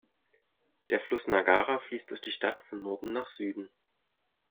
Der Fluss Nagara fließt durch die Stadt von Norden nach Süden.